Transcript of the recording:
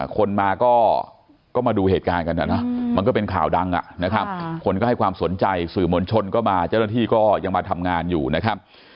คนมาก็มาดูเหตุการณ์กันมันก็เป็นข่าวดังนะครับคนก็ให้ความสนใจสื่อมวลชนก็มาเจ้าหน้าที่ก็ยังมาทำงานอยู่นะครับ